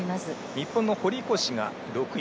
日本の堀越が６位。